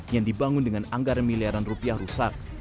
yang dibangun dengan anggaran miliaran rupiah rusak